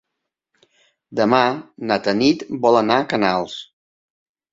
Demà na Tanit vol anar a Canals.